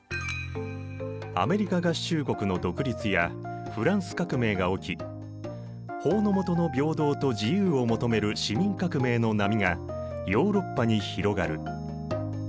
アメリカ合衆国の独立やフランス革命が起き法の下の平等と自由を求める市民革命の波がヨーロッパに広がる。